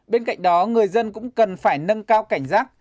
bên cạnh đó người dân cũng cần phải nâng cao cảnh giác